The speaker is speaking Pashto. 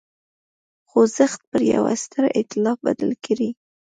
خوځښت پر یوه ستر اېتلاف بدل کړي.